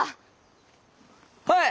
はい！